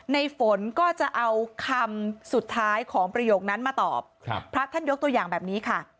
ในฝนก็จะเอาคำสุดท้ายของประโยคนั้นมาตอบครับพระท่านยกตัวอย่างแบบนี้ค่ะ